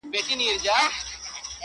زه کتاب یم د دردونو پښتانه له لوسته ځغلي!